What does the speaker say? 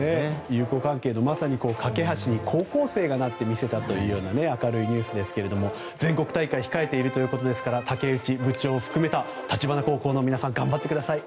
友好関係の懸け橋に高校生がなって見せたという明るいニュースですが全国大会を控えているということで竹内部長を含めた橘高校の皆さん頑張ってください。